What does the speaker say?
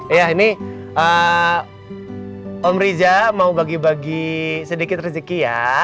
iya ini om riza mau bagi bagi sedikit rezeki ya